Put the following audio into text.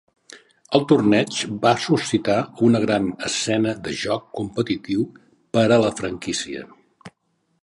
El torneig va suscitar una gran escena de joc competitiu per a la franquícia.